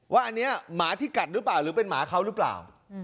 ว่าอันนี้หมาที่กัดหรือเปล่าหรือเป็นหมาเขาหรือเปล่า